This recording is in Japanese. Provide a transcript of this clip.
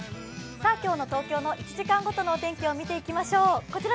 今日の東京の１時間ごとのお天気を見ていきましょう。